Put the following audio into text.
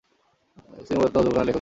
তিনি মূলত নজরুল ঘরানার লেখক ছিলেন।